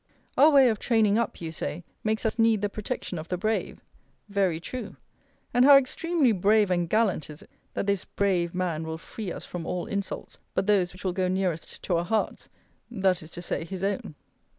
Our way of training up, you say, makes us need the protection of the brave. Very true: And how extremely brave and gallant is it, that this brave man will free us from all insults but those which will go nearest to our hearts; that is to say, his own!